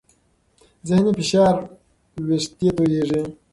ذهني فشار وېښتې تویېږي.